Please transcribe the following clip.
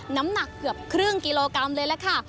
น้ำหนักเกือบครึ่งกิโลกรัมเลยล่ะค่ะ